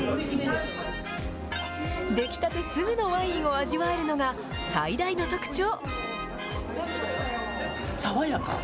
出来たてすぐのワインを味わえるのが、最大の特徴。